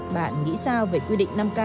bạn nghĩ sao về quy định năm k